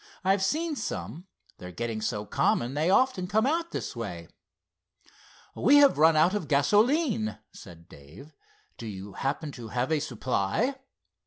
I've seen some, they're getting so common they often come out this way." "We have run out of gasoline," said Dave. "Do you happen to have a supply?"